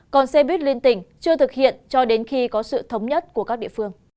còn xe buýt liên tỉnh chưa thực hiện cho đến khi có sự thống nhất của các địa phương